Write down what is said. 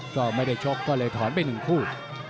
ก็ไม่ได้ชกก็เลยถอนไป๑คู่